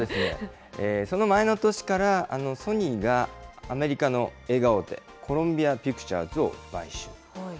その前の年からソニーがアメリカの映画大手、コロンビア・ピクチャーズを買収。